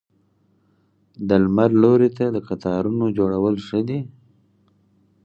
د لمر لوري ته د قطارونو جوړول ښه دي؟